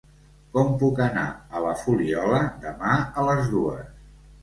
Com puc anar a la Fuliola demà a les dues?